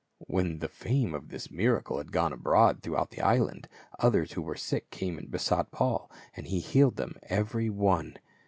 When the fame of this miracle had gone abroad throughout the island, others who were sick came and besought Paul, and he healed them every one.